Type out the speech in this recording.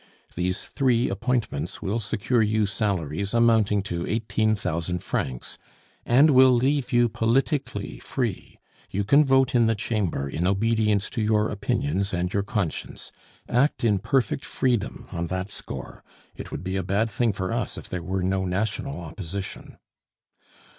These three appointments will secure you salaries amounting to eighteen thousand francs, and will leave you politically free. You can vote in the Chamber in obedience to your opinions and your conscience. Act in perfect freedom on that score. It would be a bad thing for us if there were no national opposition!